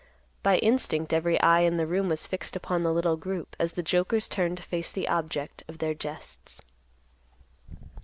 By instinct every eye in the room was fixed upon the little group, as the jokers turned to face the object of their jests.